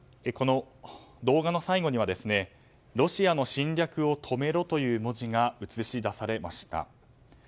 動画の最後にはロシアの侵略を止めろという文字が映し出されました。